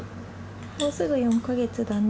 もうすぐ４か月だね。